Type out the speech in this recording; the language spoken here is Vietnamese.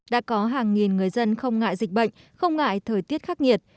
đã có hàng nghìn người dân không ngại dịch bệnh không ngại thời tiết khắc nghiệt